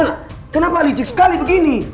eh nona kenapa licik sekali begini